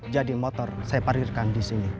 jadi motor saya parkirkan di sini